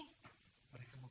ini dia uangnya